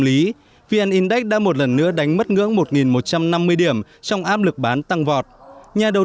lý vn index đã một lần nữa đánh mất ngưỡng một một trăm năm mươi điểm trong áp lực bán tăng vọt nhà đầu